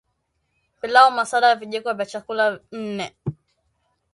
Pilau masala Vijiko vya chakula nne